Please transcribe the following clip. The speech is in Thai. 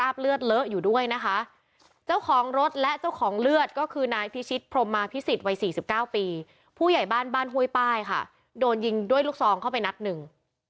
บ้านหวยป้ายค่ะโดนยิงด้วยลูกซองเข้าไปนัดหนึ่ง